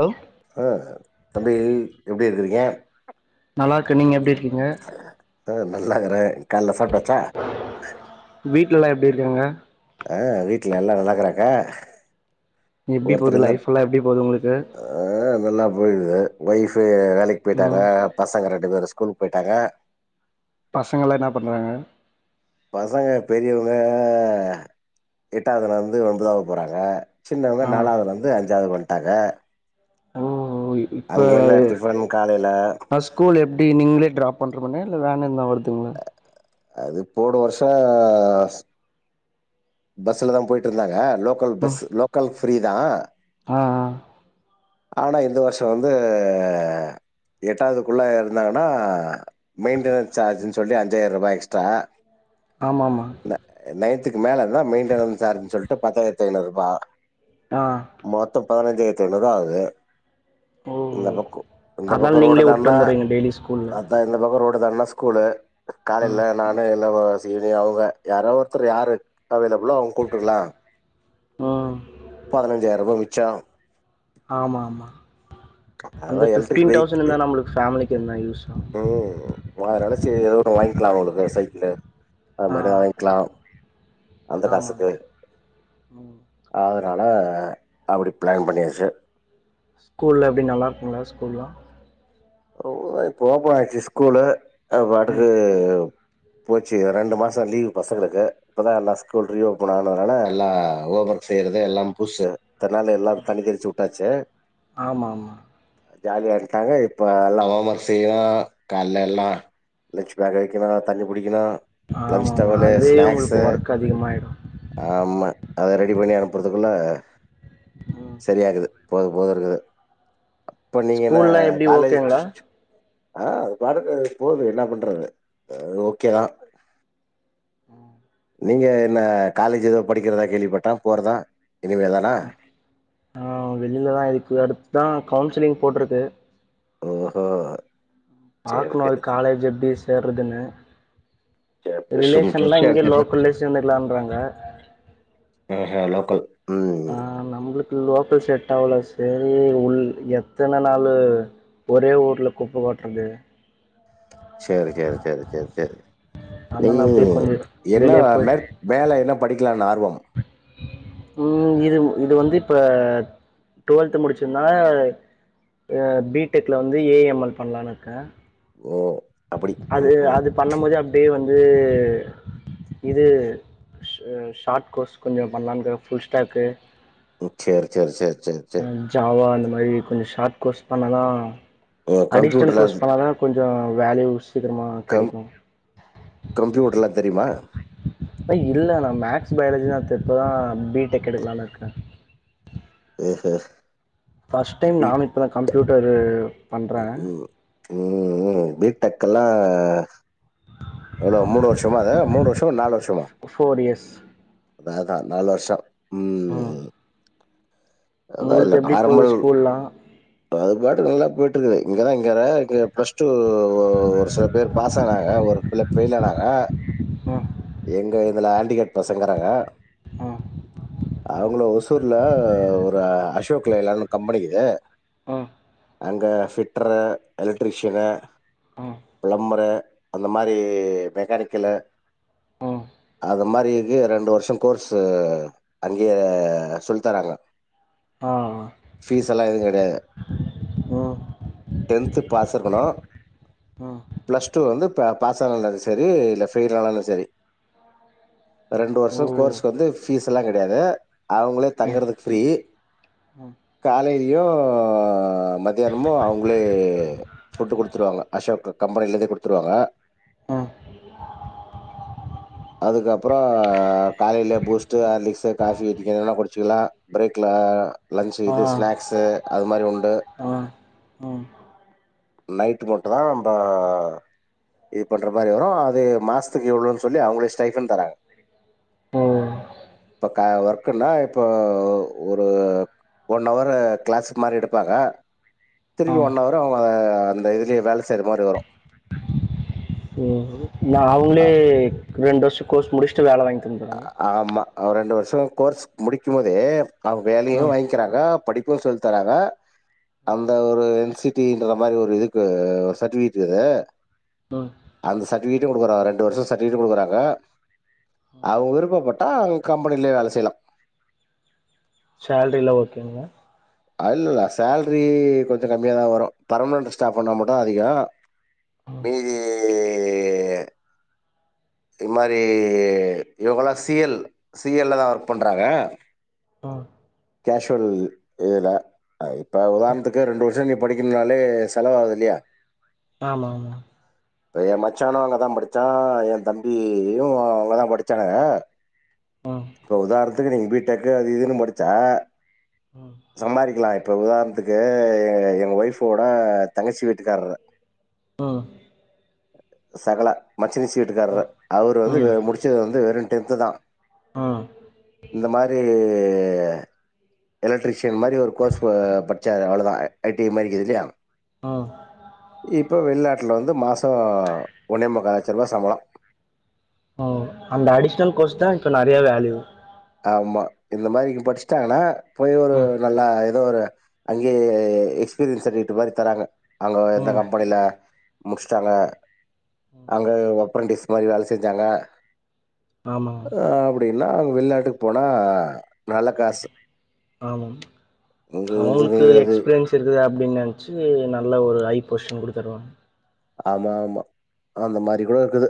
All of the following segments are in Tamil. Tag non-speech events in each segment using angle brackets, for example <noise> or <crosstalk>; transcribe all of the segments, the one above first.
ஹலோ ஆஹ தம்பி எப்படி இருக்கறீங்க நல்லா இருக்கே நீங்க எப்படி இருக்கீங்க நல்லா இருக்கறே கால்ல சாப்ட்டாச்சா வீட்லலா எப்டி இருக்காங்க ஆ வீட்ல எல்லா நல்லாக்குறாங்க எப்டி போது லைஃபுலா எப்டி போது உங்களுக் அ நல்லா போயிடுது ஒய்ஃபு வேலைக்கு போயிட்டாங்க ம் பசங்க ரெண்டு பேரு ஸ்கூல் போய்ட்டாங்க பசங்கலா என்ன பண்றாங்க பசங்க பெரியவ்ங்க எட்டாவ்துலருந்து ஒம்பதாவ்து போறாங்க சின்னவ்ங்க ஆ நாலாவ்துலருந்து அஞ்சாவ்து வந்ட்டாங்க ஓ இப்ப அங்க என்ன டிஃபன் காலைல? ஆ ஸ்கூல் எப்டி நீங்ளே ட்ராப் பண்றமானே இல்ல வேன் எதுனா வருதுங்ளா அது போன வர்ஷோ பஸ்ல தா போயிட்ருந்தாங்க லோக்கல் ம் பஸ்சு லோக்கல் ஃப்ரீதா ஆ ஆ ஆனா இந்த வர்ஷ வந்து எட்டாவ்துக்குள்ள இருந்தாங்கனா மெயின்டெனன்ஸ் சார்ஜுன் சொல்லி அஞ்சாயிர்ரூபா எக்ஸ்ட்ரா ஆமாம்மா துக்கு மேலே தா மெயின்டெனன்ஸ் ஜார்ஜுன் சொல்ட்டு பத்தாயிரத்தி ஐநூறுபா ஆ மொத்த பதினஞ்சாய்ரத்தி ஐநூறுவா ஆகுது ஓ இந்த பக்கோ இந்த அதனால பக்க ரோடு நீங்களே வுட்டு தான்னா வந்துடுறீங்க டெய்லி ஸ்கூல்ல பாத்தா இந்த பக்க ரோட் இது நம்ம ஸ்கூலு ஆ காலைல நானு என்னோட சீனியர் அவ்க யாரோ ஒர்த்தரு யாரு அவைலபிள்னா அவ்ங்க கூப்ட்டுக்லா ம் பதுனஞ்சாயிர ரூபா மிச்சாகு ஆமாம்மா அந்த அதெல்லாம் எலக்ட்ரிக் ஃபிஃப்டீன் பைக் தௌசண்ட் இருந்தா நம்மளுக்கு ஃபேம்லிக்கு எதுன்ன யூஸ் ஆ வா நெனச்சது எதோ ஒன்னு வாய்ங்க்லா அவ்ங்களுக்கு சைக்கிளு அது ஆ மாரி எதா வாய்ங்க்லா ஆமா ம் அதனால அப்டி பிளான் பண்ணியாச்சு ஸ்கூல்ல எப்டி நல்லா இருக்குங்ளா ஸ்கூல்லா ம் இப்ப ஓப்பன் ஆயிருச்சு ஸ்கூலு ம் அதுபாட்டுக்கு போச்சுங்க ரெண்டு மாச லீவு பசங்களுக்கு இப்பதா எல்லா ஸ்கூல் ரீஓப்பன் ஆனதுனால எல்லா எதோ ஒர்க் செய்யறது எல்லா புதுசு இத்தன் நாள்ல எல்லாரு தண்ணி தெளிச்சு வுட்டாச்சு ஆமா ஆமா ஜாலியாயிருகாங்க இரு இப்ப எல்லா ஓம்மர்க் செய்யணு கால்ல எல்லா லன்ட்சு பேக் வைக்கணு தண்ணி புடிக்கணு லஞ்ச் ஆமா ஆமா டவளு அதுவே உங்களுக்கு ஸ்நாக்ஸு ஒர்க் அதிகமாயிடு ஆமா அத ரெடி பண்ணி அனுப்புறதுக்குள்ள ம் செரியாகுது போக போக இருக்குது ஸ்கூல்லா எப்டி ஓப் அச்சச்சோ ஆ அதுபாட்டுக்கு பேகுது என்ன பண்றது அ ஓகேதா நீங்க என்ன காலேஜ் எதோ படிக்கிறதா கேள்விப்பட்டே போறதா இனிமே தானா ஆ வெளிலதா இதுக்கு அடுத்துதா கவுன்சிலிங் போட்டிருக்கு ஓஹோ சரி பாக்கணு அது சரி சரி காலேஜ் எப்டி சேர்றதுன்னு ரிலேஷன்லா இங்கே சேர் <unintelligible> லோக்கல்லே சேந்துக்கலான்றாங்க ஆஹ லோக்கல் ஆ ம் நம்மளுக்கு லோக்கல் செட்டாவ்ல சேரி உள் எத்தன நாளு ஒரே ஊர்ல குப்ப கொட்றது சரி சரி சரி சரி சரி நீ அதனால அப்டியே கொஞ்ச என்னா வெளிய வ போய்ட்டு மேல் மேல என்ன படிக்கலான்னு ஆர்வம் ம் இது இது வந்து இப்ப டுவெல்த்து முடிச்சிருந்தா அ பி டெக்ல வந்து ஏ எம் எல் பண்ணலானு இருக்கே ஓ அப்படி அது ம் ம் அது பண்ணும் போதே அப்படியே வந்து இது ஷார்ட் கோர்ஸ் கொஞ்சம் பல்லாண்டு ஃபுல் ஸ்டாக் சரி சரி சரி சரி சரி ஹ் ஜாவா இந்தந்த மாதிரி கொஞ்சம் ஷார்ட் கோஸ்ட் பண்ணலாம் ஓ அடிஷனல் கம்ப்யூட்டர்லாம் கோர்ஸ் பண்ணாதானே கொஞ்சம் வேல்யூ சீக்கிரமா கம் கிடைக்கும் கம்ப்யூட்டர்லாம் தெரியுமா இல்லை நான் மேக்ஸ் பயாலஜி தான் திருப்பதான் பிடெக் எடுக்கலாம்னு இருக்கேன் <inaudible> ஃபர்ஸ்ட் டைம் ம் நானும் இப்போதான் கம்ப்யூட்டரு பண்றேன் உம் உம் வீட்டுக்க எல்லாம் எவ்வளவு மூணு வருஷமா அதான் மூணு வருஷம் நாலு வருஷம் சரிஸ் அதாவதான் நாலு வருஷம் உம் அதான் இல்ல உங்களுக்கு எப்டி போது நார்மல் ஸ்கூல்லா அது பாட்டு நல்லா போயிட்டு இருக்குது இங்கதான் இங்க இங்க பிளஸ் டூ ஒரு சில பேர் பாஸ் ஆனாங்க ஒரு புள்ள போயலனாங்க வ இதுல ஆண்டிகேட் பசங்கறாங்க ம் அவங்கள ஒருச புத்தூர்ல ஒரு அசோக்லேலான கம்பெனிக்குது ஆ அங்க ஃபிட்டரு எலக்ட்ரிஷியனு ம் பிளம்பரு அந்த மாதிரி மெக்கானிக்கல ம் அது மாதிரிக்கு ரெண்டு வருஷம் கோர்ஸு அங்கேய சொல்லி தராங்க ஆஹ பீஸ் எல்லாம் எது கிடையாது டென்து பாஸ் இருக்கணும் பிளஸ் டூ வந்து பா பாஸ் ஆனனும் சரி இல்ல யில் ஆனானும் சரி ரெண்டு வருஷம் ஓ கோர்ஸு வந்து ஃபீஸ் எல்லாம் கிடையாது அவங்களே ம் தங்குறதுக்கு ஃப்ரீ ம் காலையிலயும் மத்தியானமும் அவங்களே புட்டு் குடுத்துருவாங்க அசோக் கம்பெனிலந்தே குடுத்துருவாங்க ம் அதுக்கப்புறம் காலையில பூஸ்ட் ஹார்லிக்ஸ் காபி குடிச்சிக்கலாம் பிரேக் இது ஸ்நாக்ஸ் அது மாதிரி ஒ ஆஹ் உம் நைட்டு் மட்டும் தான் நம்ம இது பண்ற மாதிரி வரும் அது மாசத்துக்கு எவ்வளவுன்னு சொல்லி அவங்கள ஸ்டைபன் தராங்க ஓ இப்ப க ஒர்க்குன்னா இப்போ ஒரு ஒன் ஹவரு கிளாஸுக்கு மாதிரி எடுப் பாங்களா ஆ திருப்பி ஒன் ஹவரு அவுங்க அஹ் அந்த இதுலயே வேலை செய்ற மாரி வரும் உம் நான் அ அவுங்களே ரெண்டு வருஷம் கோர்ஸ் முடிச்சுட்டு வேலை வாங்கி தந்துறாங்க அஹ் ஆமா அவர் ரெண்டு வருஷம் கோர்ஸ் முடிக்கும் போதே அவுங்க வேலையும் ம் வாங்கிக்கிறாங்க படிப்பும் சொல்லித்தராங்க அந்த ஒரு என்சி தீன்டுற மாதிரி ஒரு இதுக்கு ஒரு சர்டிபிகேட்டு அது ம் அந்த சர்ட்டிவி தி குடுக்குறான் ரெண்டு வருஷம் சர்டிபிகேட் கொடுக்குறாங்க அவுங்க விருப்பப்பட் அஹ் கம்பெனிலயே வேலை செய்யலாம் சேலரி எல்லாம் ஓகேங்களா இல்லை இல்லை சேல்ரி கொஞ்சம் கம்மியாதான் வரும் பர்மனன்ட் ஸ்டாப் ஆனா மட்டும் அதிகம் ம் நீயியியியியி இது மாதிரி இவங்கல்லாம் சி எல் சி எல் லதான் ஒர்க் பண்றாங்க அஹ் கேஷுவல் இதுல இப்போ ம் உதாரணத்துக்கு ரெண்டு வருஷம் நீ படிக் கினாலே செலவு ஆகுது இல்லையா ஆமா ஆமா இப்ப என் மச்சானும் அங்கதான் படிச்சான் என் தம்பியும் அங்கதான் படிச்சானுக ம் இப்ப உதாரணத்துக்கு நீங்க பீ டெக்கு அது இதுன்னு படிச்சா ம் ம் சம்பாறிக்கலாம் இப்ப உதாரணத்துக்கு எங்க எங்க ஒய்ஃப்வோட தங்கச்சி வீட்டுக்கார்ரர் உம் சகலை மச்சினிச்சி வீட்டுக்காரரர் அவர் வந்து ம் முடிச்சது வந்து வெறும் டென்த்து தான் இந்த மாதிரி எலக்ட்ரிஷியன் மாதிரி ஒரு கோர்ஸ் படிச்சாரு அவ்வளவுதான் ஐடி மாதிரி இருக்குது இல்லையா ம் இப்போ வெளிநாட்டில வந் ந்து மாசம் ஒன்னே முக்கா லட்சம் ரூபாய் சம்பளம் அந்த அடிஷ்னல் கோர்ஸ் தான் இப்ப நிறையா வேல்யூ ஆமா இந்த மாதிரி படிச்சிட்டாங்கன்னா போய் ஒரு ம் நல்லா இ எதோ ஒரு அங்கேயே எக்ஸ்பீரியன்ஸ் சர்டிபிகேட் மாதிரி தராங்க அவுங்க அந்த ம் கம்பெனில முடிச்சிட்டாங்க அங்கயே ஒப்ரன்டிஸ் மாதிரி வேலை செஞ்சாங்க ஆமா அப்படின்னா அவுங்க வெளிநாட்டுக்கு போனா நல்ல காசு ஆமா இங்க அவுங்களுக்கு இன்ஜினியர் அது. எக்ஸ்பீரியன்ஸ் இருக்குது அப்படின்னு நினைச்சு நல்ல ஒரு ஐ பொசிஷன் கூட தருவாங்க ஆமா ஆமா அந்த மாதிரி கூட இருக்குது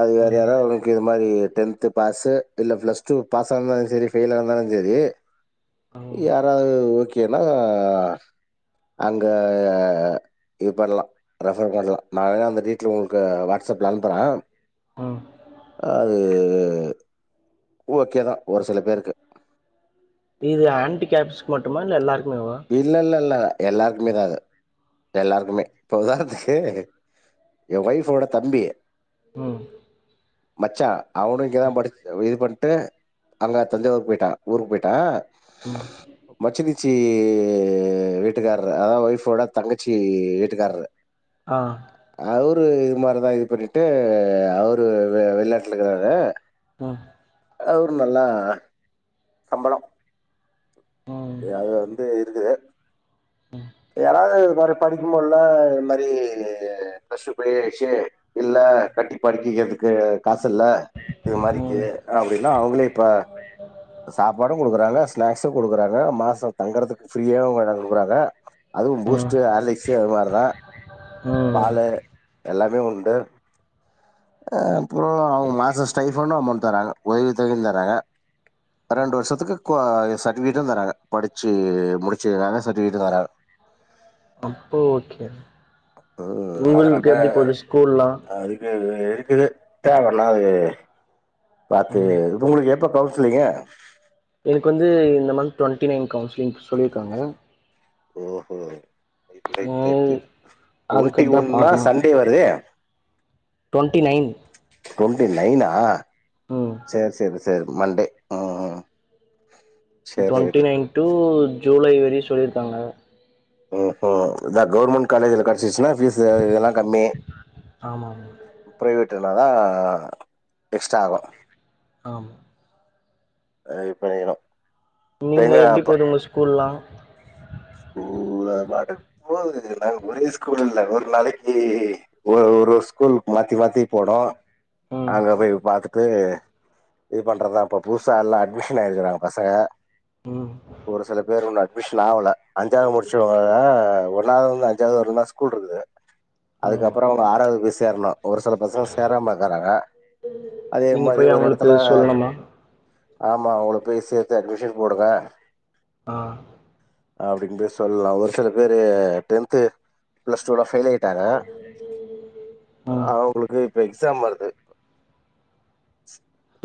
அது வேற யாராவது அவனுக்கு இது மாதிரி டென்த்து பாஸு இல்ல பிளஸ் டூ பாஸ்ஸா இந்தாலும் சரி ஃபெயில்லா இருந்தாலும் செரி ம் யாராவது ஓ கேனா அங்கே இது பண்ணலாம் ரெஃபர் பண்ணலாம் நான் வேணா அந்த டீட்டெய்லு உங்களுக்கு வாட்ஸ்அப்ல அனுப்புறேன் ம் அது ஓகேதான் ஒரு சில பேருக்கு இது ஆன்டி கேப்ஸ்சுக்கு மட்டுமா இல்லை எல்லாருக் இல்லை இல்லை இல்லை எல்லாருக்குமே தான் அது எல்லாருக்குமே இப்போ உதாரணத்துக்கு என் ஒய்ஃப்வோட தம்பி உம் மச்சான் அவனும் இங்கதான் படிச் அஹ் இது படி ட்டு அங்க தஞ்சாவூருக்கு போயிட்டான் ஊருக்கு போயிட்டான் மச்சினிச்சி இஇஇஇஇஇ வீட்டுக்காரர் அதான் ஒய்ஃப்வோட தங்கச்சி வீட்டுக்காரரு அஹ் இப்ப இது மாதிரிதான் இது பண்ணிட்டு அவரு வெளி நாட்டுல இருக்கிறாரு ஆ ஒரு நல்லா சம்பளம் ம் அது வந்து இருக்குது யாராவது இந்த மாரி படிக்கமுடியில்ல இந்த மாரி ப்ளஸ் டூ பெயில் ஆயிடுச்சு இல்ல கட்டி படிக்க வைக்கிறதுக்கு காசு இல்ல இது மாதிரிக்கு ம் அப்படின்னா அவங்களே இப்ப சாப்பாடும் குடுக்குறாங்க ஸ்நாக்ஸும் குடுக்குறாங்க மாசம் தங்கறதுக்கு ஃப்ரீயா எடம் குடுக்குறாங்க அதுவும் பூஸ்ட் ம் ஹார்லிக்ஸ் அது மாரிதான் ம் பால் எல்லா உண்டு ஆஹ் அப்புறம் அவங்க மாதம் ஸ்டைஃபன்னும் அமௌண்ட் தராங்க உதவி தொகையும் தராங்க ரெண்டு வருஷத்துக்கு சர்டிவிகேட்டும் தராங்க படிச்சு முடிச்சதுக்கான சர்டிவிகேட்ம் தராங்க அப்போ ஓகே உம் அதனாட உங்களுக்கு எப்டி போது ஸ்கூல்லா அதுக்கு இருக்குது தேவனா அது பாத்து ம் உங்களுக்கு எப்ப கவுன்சிலிங்கு எனக்கு வந்து இந்த மந்த் டுவெண்ட்டி நைன் கவுன்சிலிங் சொல்லியிருக்காங்க ஓஹோ சேர் சேர் ம் சேர் டுவெண்ட்டி அதுக்கு தா ஒன்னா பாக்கணு சண்டே வருதே டுவெண்ட்டி நைன் டுவெண்ட்டி நைனா ம் சேரி சேரி சேரி மண்டே ம் சேரி டுவெண்ட்டி நைன் டூ ஜூலை வரயும் சொல்லியிருக்காங்க ஹம் ஹம் இதான் கவர்மெண்ட் காலேஜ்ல கிடைச்சிச்சுன்னா ஃபீஸ் இதெல்லாம் கம்மி ஆமாம் பிரைவேட்ன தான் எக்ஸ்ட்ரா ஆகும் ஆம் அஹ் இப்ப நீணும் நீங்க எப்படி போது உங்க ஸ்கூல்லாம் ஸ்கூ அத பாட்டுக்கு போது நாங்கஒரே ஸ்கூல் இல்ல ஒரு நாளைக்கு ஒரு ஒரு ஸ்கூல் மாத்தி மாத்தி போனும் ம் அங்க போய் பாத்து இது இது பண்றதுதான் இப்ப புதுசா எல்லாம் அட்மிஷன் ஆயிருக்கறாங்க பசங்க ம் ஒரு சில பேரு இன்னும் அட்மிஷன் ஆகல அஞ்சாவது முடிச்சவங்க ஒன்னாவதுல இருந்து அஞ்சாவது வரயும்தான் ஸ்கூல் இருக்குது ஓ அதுக்கப்பறம் அவங்க ஆறாவது போய் சேரணும் ஒரு சில பசங்க சேராமா இருக்கறாங்க அதே நீங்க மாரி போய் ஒரு அவங்களுக்கு எடத்துல சொல்லணுமா ஆமாம் உங்கள போய் சேத்து அட்மிஷன் போடுங்க ஆஹ் அப்படின்னு போய் சொல்லலாம் ஒரு சில பேரு டென்த் பிளஸ் டூ ல ஃபெயில் ஆயிட்டாங்க ஹ ம் உங்களுக்கு இப்ப எக்ஸாம் வருது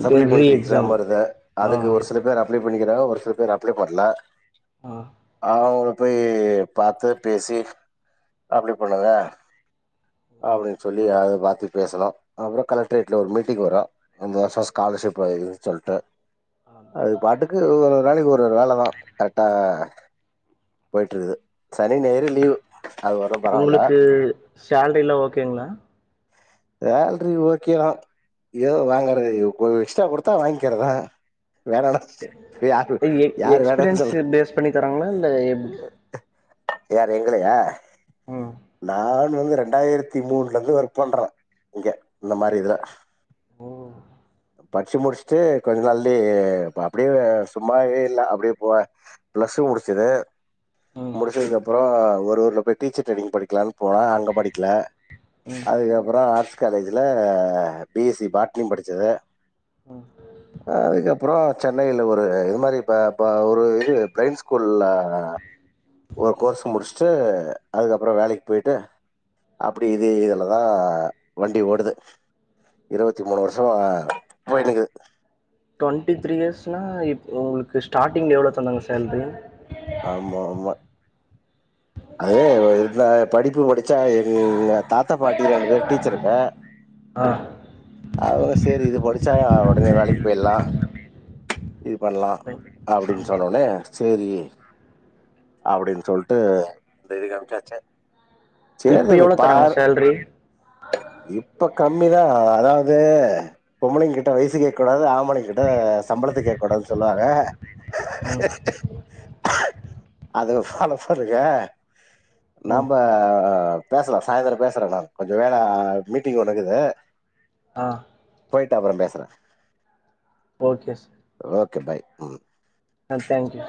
இது ரீ சப்ளிமெண்டரி எக்ஸாம் வருது ஆ அதுக்கு ஒரு சில பேர் அப்ளை பண்ணிக்கிறாங்க ஒரு சி ல பேர் அப்ளை பண்ணல ஆஹ் அவங்கள போய் பாத்து பேசி அப்படி பண்ணுங்க அப்படின்னு சொல்லி அத பத்தி பேசனும் அப்பறம் கலெக்ட்ரேட்ல ஒரு மீட்டிங் வரும் அந்த <unintelligible> கால பிரெஷ் அப் ஆயிருக்கு சொல்லிட்டு அது பாட்டுக்கு ஒரு நாளைக்கு ஒரு ஒரு வேலதான் கரெக்டா போய்ட்டு இருக்குது சனி ஞாயிறு லீவ் அது வரயும் பரவால உங்களுக்கு சேலரிலா ஓகேங்களா சேலரி ஓகே தான் ஏதோ வாங்கற எஸ்ட்டா கொடுத்தா வாங்கிக்கறதான் வேணன யாரு எ யாரு வேணன்னு எக்ஸ்பீரியன்ஸ் சொல்ல பேஸ் பண்ணி தராங்களா இல்ல எப்டி யரு எங்கலையா ம் நான் வந்து ரெண்டாயிரத்தி மூணுல இருந்து ஒர்க் பண்றோம் இங்க இந்த மாரி இதுல ஓ படிச்சு முடிச்சுட்டு கொஞ்ச நாள்லே அப்படியே சும்மாவே இல் அப்படியே போ பிளஸ் டு முடுச்சது ம் முடிச்சதுக்குப்புறம் ஒரு ஊர்ல போய் டீச்சர் ட்ரரைனிங் படிக்கலான்னு போனா அங்க படிக்கல ம் அதுக்கப்புறம் ஆர்ட்ஸ் காலேஜ்ல பிஎஸ்சி பாட்னி படிச்சது ம் அதுக்கப்புறம் சென்னையில ஒரு இது மாரி இப்ப ஒரு இது ப்ரைண்ட ஸ்கூல்ல ஒரு கோர்ஸ் முடிச்சுட்டு அதுக்கப்புறம் வேலைக்கு போயிட்டு அப்படி இது இதுலதான் வண்டி ஓடுது இருபத்தி மூணு வருஷம் ஆஹ் போயிட் இருக்குது ட்வெண்ட்டி த்ரீ இயர்ஸ்னா இ உங்களுக்கு ஸ்டார்ட்டிங்ல எவ்வளோ தந்தாங்க சேலரி ஆமா ஆமா அதே இருந்தா படிப்பு முடிச்சா எங்க தாத்தா பாட்டி ரெண்டு பேரு டீச்சருங்க ஆ அவங்க சரி இது படிச்சா உடனே வேலைக்கு போயிடலாம் இது பண்ணலாம் அப்படின்னு ஆமா சொன்னோனே சரி அப்படின்னு சொல்லிட்டு இந்த இது காமிச்சாச்சே சரி இப்போ தம்பி எவ்வளோ தராங்க பார் சேல்ரி இப்ப கம்மிதான் அதாவது பொம்பலைங்கிட்ட கிட்ட வயசு கேட்க கூடாது ஆமணி கிட்ட சம்ப பத்து கேடக்க கூடனு சொல்லுவாங்க ம் அது பாலோப் பண்ணுங்க ம் நாம பேசலாம் சாயந்தரம் பேசுறேன் நான் கொஞ்சம் வேலை மீட்டிங் ஒண்ணுக்குது ஆஹ போயிட்டு அப்புறம் பேசுறேன் ஓகே பாய் உம் ஆஹ தேங்க்யூ